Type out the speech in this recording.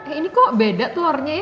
eh ini kok beda telurnya ya